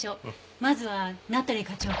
まずは名取課長から。